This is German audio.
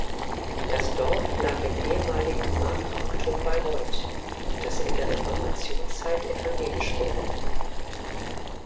Das Dorf lag im ehemaligen Markgraftum Bayreuth, das in der Reformationszeit evangelisch wurde.